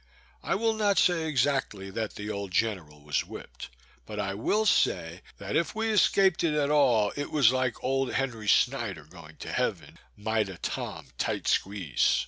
I will not say exactly that the old general was whip'd; but I will say, that if we escaped it at all, it was like old Henry Snider going to heaven, "mita tam tite squeeze."